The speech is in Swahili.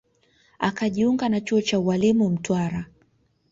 Akajiunga na chuo cha ualimu Mtwara